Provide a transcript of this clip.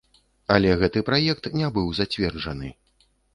Але гэты праект не быў зацверджаны.